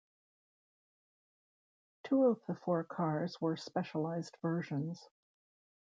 Two of the four cars were specialized versions.